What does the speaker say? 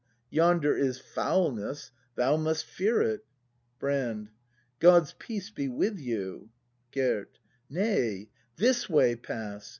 ] Yonder is foulness; thou must fear it! Brand. God's peace with you! Gerd. Nay, this way pass!